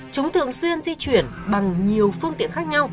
chúng thường xuyên di chuyển bằng nhiều phương tiện khác nhau